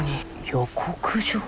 予告状？